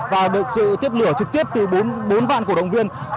và được sự tiếp lửa trực tiếp từ bốn vạn cổ động viên